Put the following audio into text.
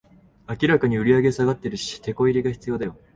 明らかに売上下がってるし、テコ入れが必要だよ